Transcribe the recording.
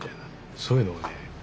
そういうのをね